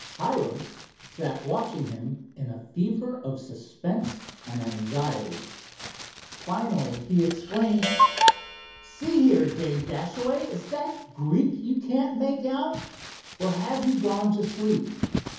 Hiram sat watching him in a fever of suspense and anxiety. Finally he exclaimed: "See here, Dave Dashaway, is that Greek you can't make out, or have you gone to sleep?"